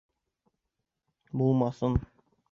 Булмаҫын.